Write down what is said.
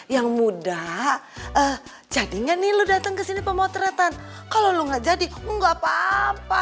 yang muda jadinya nih lu datang ke sini pemotretan kalau enggak jadi enggak papa